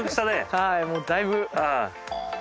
はいもうだいぶ。